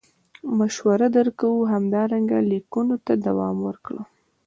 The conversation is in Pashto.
مشوره در کوو همدارنګه لیکنو ته دوام ورکړه.